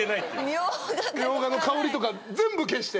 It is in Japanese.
ミョウガの香りとか全部消して。